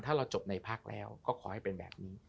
ถ้าเราจบในพักแล้วก็ขอให้เป็นแบบนี้